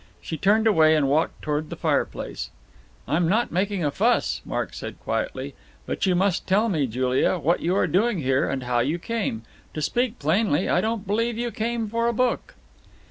She turned away and walked towards the fireplace. "I'm not making a fuss," Mark said quietly, "but you must tell me, Julia, what you are doing here, and how you came. To speak plainly, I don't believe you came for a book."